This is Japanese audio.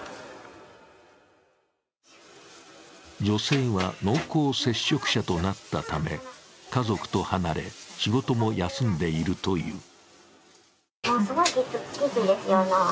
女性は濃厚接触者となったため家族と離れ、仕事も休んでいるという。